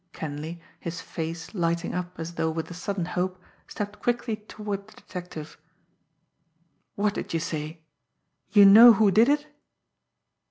_" Kenleigh, his face lighting up as though with a sudden hope, stepped quickly toward the detective. "What did you say? You know who did it!"